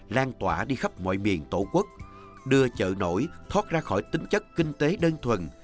lan tỏa đi khắp mọi miền tổ quốc đưa chợ nổi thoát ra khỏi tính chất kinh tế đơn thuần